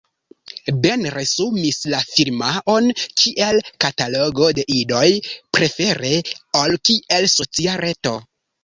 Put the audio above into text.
Ben resumis la firmaon kiel "katalogo de ideoj", prefere ol kiel socia reto.